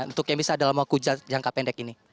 untuk yang bisa dalam waktu jangka pendek ini